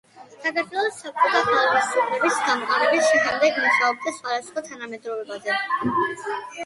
საქართველოში საბჭოთა ხელისუფლების დამყარების შემდეგ მუშაობდა სხვადასხვა თანამდებობაზე.